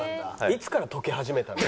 いつから溶け始めたの？